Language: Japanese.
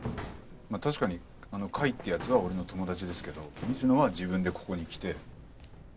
確かにあの甲斐って奴は俺の友達ですけど水野は自分でここに来て。